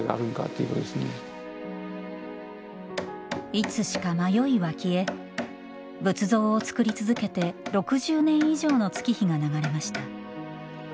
いつしか迷いは消え仏像を造り続けて６０年以上の月日が流れました。